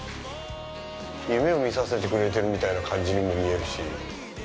夢を見させてくれてるみたいな感じにも見えるし。